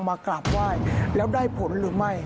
มากราบไหว้แล้วได้ผลหรือไม่